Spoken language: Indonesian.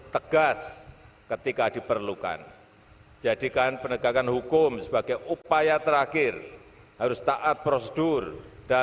penghormatan kepada panji panji kepolisian negara republik indonesia tri brata